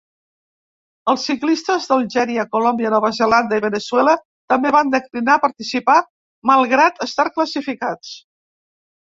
Els ciclistes d'Algèria, Colòmbia, Nova Zelanda i Veneçuela també van declinar participar malgrat estar classificats.